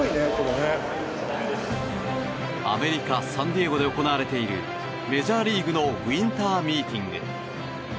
アメリカ・サンディエゴで行われているメジャーリーグのウィンターミーティング。